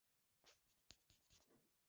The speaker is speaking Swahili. kwanini unalia?